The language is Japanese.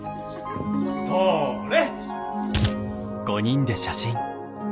それ！